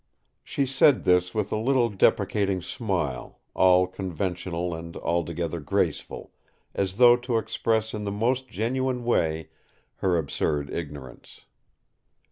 She said this with a little deprecating smile, all conventional and altogether graceful; as though to express in the most genuine way her absurd ignorance.